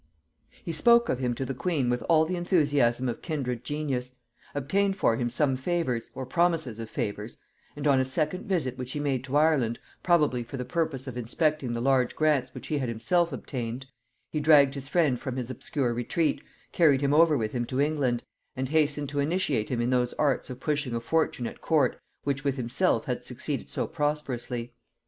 He spoke of him to the queen with all the enthusiasm of kindred genius; obtained for him some favors, or promises of favors; and on a second visit which he made to Ireland, probably for the purpose of inspecting the large grants which he had himself obtained, he dragged his friend from his obscure retreat, carried him over with him to England, and hastened to initiate him in those arts of pushing a fortune at court which with himself had succeeded so prosperously.